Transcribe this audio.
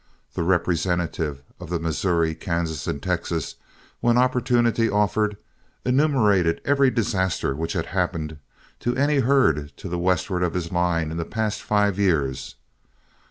The representative of the Missouri, Kansas, and Texas, when opportunity offered, enumerated every disaster which had happened to any herd to the westward of his line in the past five years.